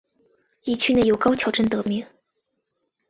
以区内有高桥镇得名。